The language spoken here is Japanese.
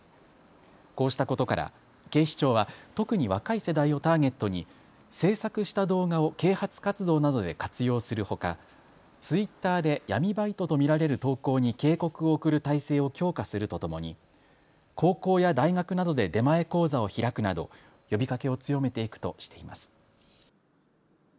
こうしたことから警視庁は特に若い世代をターゲットに制作した動画を啓発活動などで活用するほかツイッターで闇バイトと見られる投稿に警告を送る態勢を強化するとともに高校や大学などで出前講座を開くなど呼びかけを強めていくとしています。